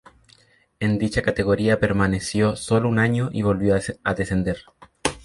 En dicha categoría permaneció solo un año y volvió a descender.